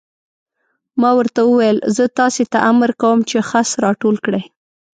ما ورته وویل: زه تاسې ته امر کوم چې خس را ټول کړئ.